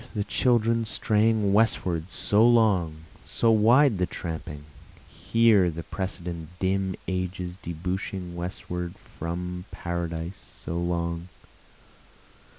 Here the children straying westward so long? so wide the tramping? Were the precedent dim ages debouching westward from Paradise so long?